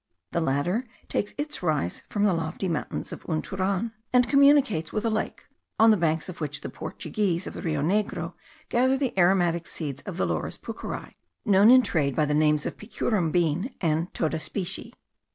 The latter takes its rise in the lofty mountains of Unturan, and communicates with a lake, on the banks of which the Portuguese* of the Rio Negro gather the aromatic seeds of the Laurus pucheri, known in trade by the names of the pichurim bean, and toda specie.